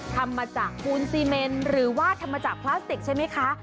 ทำมาจากปูนซีเมนหรือว่าทำมาจากพลาสติกใช่ไหมคะ